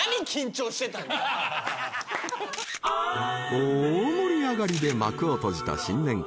［大盛り上がりで幕を閉じた新年会］